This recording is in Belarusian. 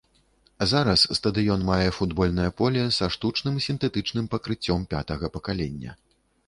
Зараз стадыён мае футбольнае поле са штучным сінтэтычным пакрыццём пятага пакалення.